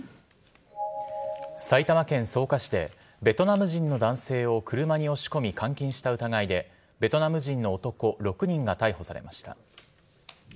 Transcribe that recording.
埼玉県草加市でベトナム人の男性を車に押し込み、監禁した疑いでベトナム人の男６人が逮捕されました。